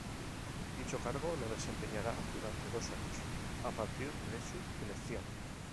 Dicho cargo lo desempeñará durante dos años a partir de su elección.